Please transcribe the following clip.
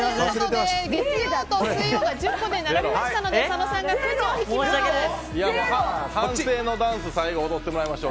月曜と水曜が並びましたので佐野さんがくじを引きます。